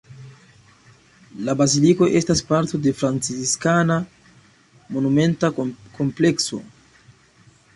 La baziliko estas parto de franciskana monumenta komplekso.